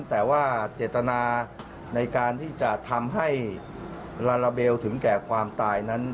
แต่ว่าเจตนาในการที่จะทำให้ลาลาเบลถึงแก่ความตายนั้น